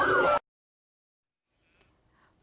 นี่ค่ะ